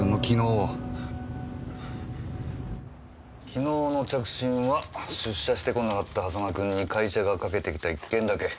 昨日の着信は出社してこなかった狭間君に会社がかけてきた１件だけ。